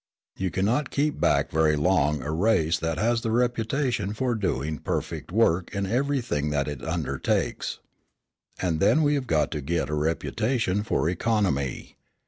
You cannot keep back very long a race that has the reputation for doing perfect work in everything that it undertakes. And then we have got to get a reputation for economy.